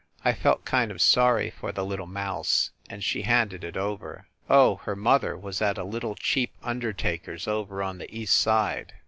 I felt kind of sorry for the little mouse, and she handed it over. Oh her mother was at a little cheap undertaker s over on the East Side.